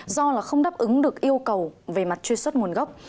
do là không đáp ứng được yêu cầu về mặt truy xuất nguồn gốc